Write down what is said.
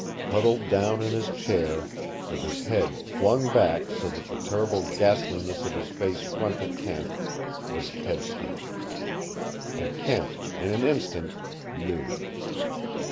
Huddled down in his chair, with his head flung back so that the terrible ghastliness of his face fronted Kent, was Kedsty. And Kent, in an instant, knew.